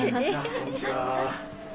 こんにちは。